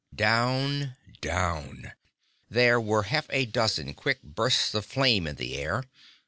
Down, down There were half a dozen quick bursts of flame in the air.